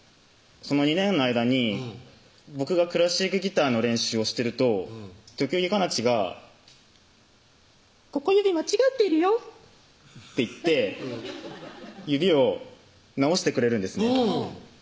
その２年の間に僕がクラシックギターの練習をしてると時々カナチが「ここ指間違ってるよ」って言って指を直してくれるんですね